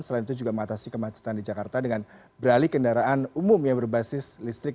selain itu juga mengatasi kemacetan di jakarta dengan beralih kendaraan umum yang berbasis listrik